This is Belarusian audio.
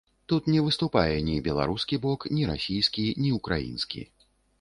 Тут не выступае ні беларускі бок, ні расійскі, ні ўкраінскі.